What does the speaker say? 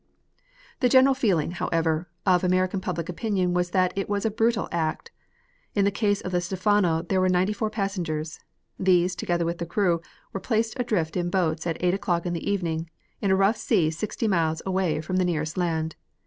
The general feeling, however, of American public opinion was that it was a brutal act. In the case of the Stephano there were ninety four passengers. These, together with the crew, were placed adrift in boats at eight o'clock in the evening, in a rough sea sixty miles away from the nearest land.